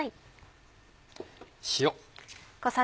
塩。